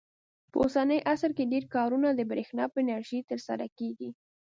په اوسني عصر کې ډېر کارونه د برېښنا په انرژۍ ترسره کېږي.